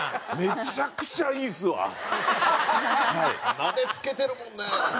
なでつけてるもんね。